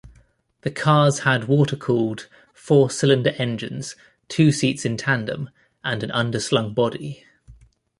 The cars had water-cooled, four-cylinder engines, two seats in tandem, and an underslung body.